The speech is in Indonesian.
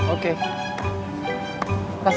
oke pas ya